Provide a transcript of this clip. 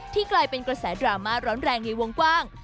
กลายเป็นกระแสดราม่าร้อนแรงในวงกว้าง